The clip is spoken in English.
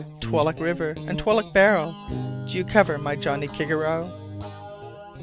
Twloch river, and Twloch barrow, Do you cover my Johnnie Kigarrow?